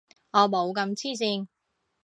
我冇咁黐線